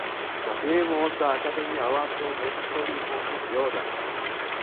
The film won the Academy Award for Best Story for Philip Yordan.